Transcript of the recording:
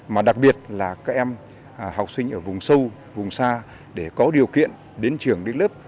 mà đặc biệt là các em học sinh ở vùng sâu vùng xa để có điều kiện đến trường đến lớp